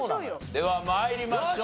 では参りましょう。